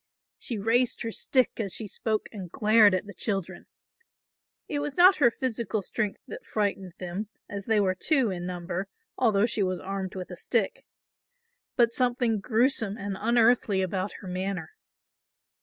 She raised her stick as she spoke and glared at the children. It was not her physical strength that frightened them, as they were two in number, although she was armed with a stick, but something gruesome and unearthly about her manner.